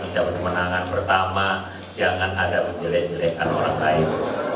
jangan ada menjelekan jelekan orang lain